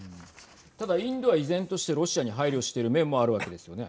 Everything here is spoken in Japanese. ただ、インドは依然としてロシアに配慮している面もあるわけですよね。